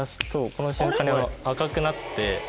この瞬間に赤くなって。